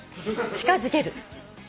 近づける。